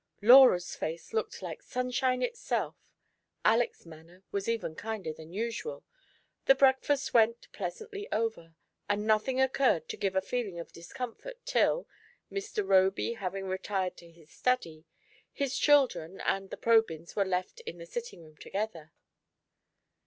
Laura's face looked like sunshine itself, Aleck's manner was even kinder than usual, the breakfast went pleasantly over, and nothing occurred to give a feeling of discomfort till, Mr. Roby having retired to his study, his children and the Probyns were left in the sitting room together.